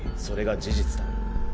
それが事実だ。